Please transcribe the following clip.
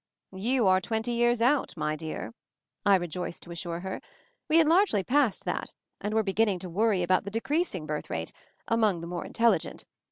"You are twenty years out, my dear!" I rejoiced to assure her. "We had largely passed that, and were beginning to worry about the decreasing birth rate — among the more intelligent.